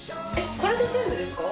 これで全部ですか？